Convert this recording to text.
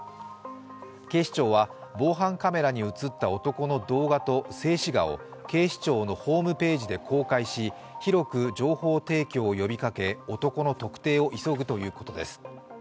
警視庁は防犯カメラに映った男の動画と静止画を警視庁のホームページで公開し広く情報提供を呼びかけ男の特定を急ぐということです。